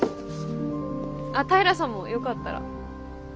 あ平さんもよかったら。